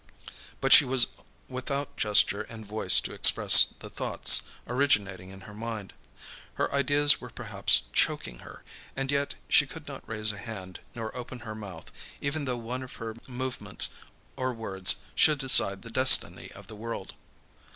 But she was without gesture and voice to express the thoughts originating in her mind. Her ideas were perhaps choking her, and yet she could not raise a hand, nor open her mouth, even though one of her movements or words should decide the destiny of the world.